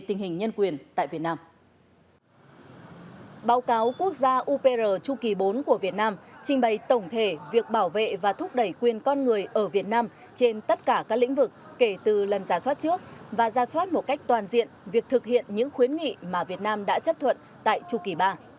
trình bày tổng thể việc bảo vệ và thúc đẩy quyền con người ở việt nam trên tất cả các lĩnh vực kể từ lần ra soát trước và ra soát một cách toàn diện việc thực hiện những khuyến nghị mà việt nam đã chấp thuận tại chu kỳ ba